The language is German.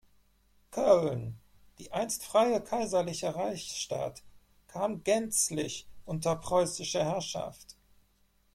Köln, die einst freie kaiserliche Reichsstadt, kam gänzlich unter preußische Herrschaft.